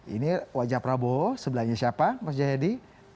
ini wajah prabowo sebelahnya siapa mas jayadi